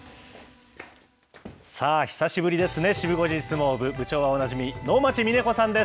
さあ、久しぶりですね、シブ５時相撲部、部長はおなじみ、能町みね子さんです。